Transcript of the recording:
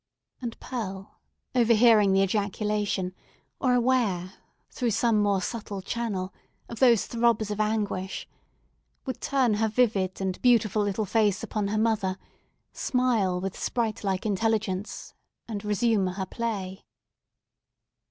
And Pearl, overhearing the ejaculation, or aware through some more subtile channel, of those throbs of anguish, would turn her vivid and beautiful little face upon her mother, smile with sprite like intelligence, and resume her play.